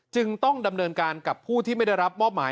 จึงต้องดำเนินการกับผู้ที่ไม่ได้รับมอบหมาย